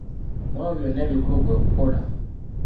Mu ebyo byonna ekikulu kwe kukola.